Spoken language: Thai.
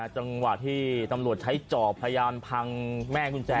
จังหวะที่ตำรวจใช้เจาะพยานพังแม่คุณแจ